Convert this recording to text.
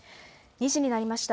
２時になりました。